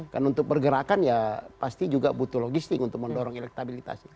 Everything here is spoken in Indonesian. karena untuk bergerakan ya pasti juga butuh logistik untuk mendorong elektabilitas